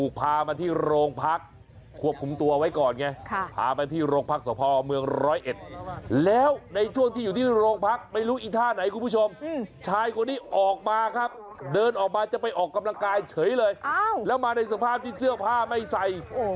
เกิดอะไรขึ้นดูดิขนลุ้งลังเลย